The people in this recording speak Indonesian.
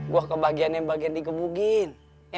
gue kebagian bagian dikebugin